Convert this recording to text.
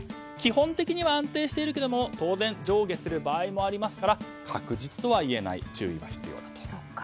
基本的には安定してるけども当然上下する場合もありますから確実とは言えない注意が必要だと。